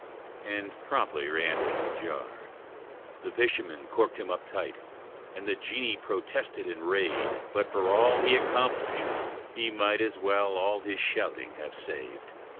And promptly reëntered the jar. The fisherman corked him up tight: The genie protested and raved, But for all he accomplished, he might As well all his shouting have saved.